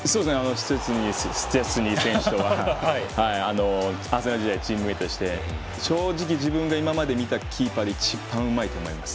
シュチェスニー選手とは当時のチームメートでして正直、僕が今まで見たキーパーで一番うまいと思います。